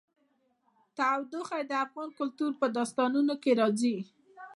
تودوخه د افغان کلتور په داستانونو کې راځي.